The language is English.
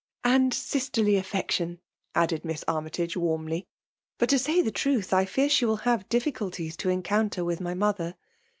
•" And sisterly affection," added Miss Army tage warmly. " But to say the truth, I fear she will have difficulties to encounter with my mother."